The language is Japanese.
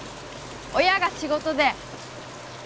親が仕事で